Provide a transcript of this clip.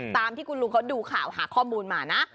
ตามที่คุณลุงเขาดูข่าวหาข้อมูลมานะ